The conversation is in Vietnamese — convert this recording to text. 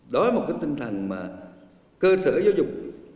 đó là một cái tinh thần mà cơ sở giáo dục